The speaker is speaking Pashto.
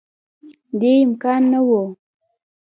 دې امکان نه وو